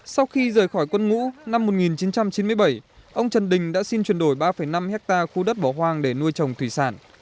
sau khi rời khỏi quân ngũ năm một nghìn chín trăm chín mươi bảy ông trần đình đã xin chuyển đổi ba năm hectare khu đất bỏ hoang để nuôi trồng thủy sản